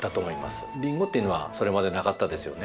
リンゴっていうのはそれまでなかったですよね。